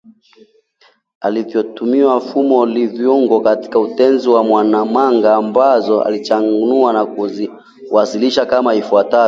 aliyotumia Fumo Liyongo katika Utenzi wa Mwanamanga ambazo alizichanganua na kuzisawazisha kama ifuatavyo